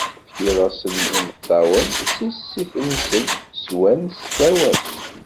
Tefkiḍ-asen imeṭṭawen d tissit-nsen, swan s tawant.